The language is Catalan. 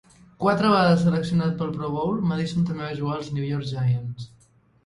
Quatre vegades seleccionat per al Pro Bowl, Madison també va jugar als New York Giants.